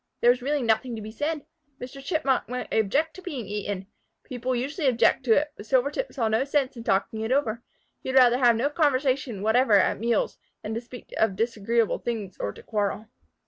There was really nothing to be said. Mr. Chipmunk might object to being eaten. People usually did object to it, but Silvertip saw no sense in talking it over. He would rather have no conversation whatever at meals than to speak of disagreeable things or to quarrel.